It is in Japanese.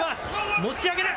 持ち上げる。